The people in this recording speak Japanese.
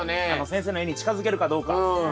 先生の絵に近づけるかどうか。